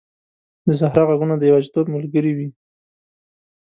د صحرا ږغونه د یوازیتوب ملګري وي.